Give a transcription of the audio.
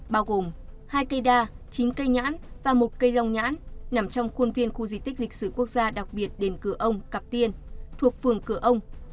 bao gồm hai cây đa chín cây nhãn và một cây rong nhãn nằm trong khuôn viên khu di tích lịch sử quốc gia đặc biệt đền cửa ông cặp tiên thuộc phường cửa ông